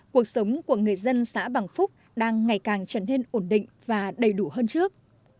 cuộc sống của người dân xã bằng phúc đang ngày càng trở nên ổn định và đầy đủ hơn trước